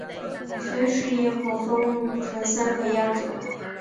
菲氏叶猴分成三个亚种